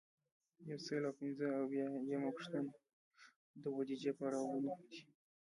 یو سل او پنځه اویایمه پوښتنه د بودیجې پړاوونه دي.